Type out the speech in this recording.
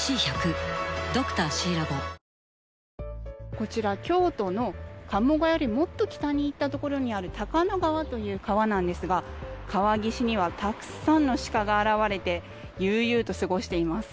こちら京都の鴨川よりもっと北に行ったところにある高野川という川なんですが川岸にはたくさんのシカが現れて悠々と過ごしています。